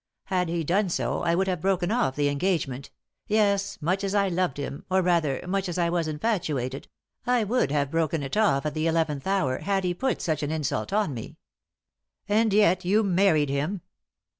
Had he done so, I would have broken off the engagement yes, much as I loved him, or rather, much as I was infatuated I would have broken it off at the eleventh hour had he put such an insult on me!" "And yet you married him?"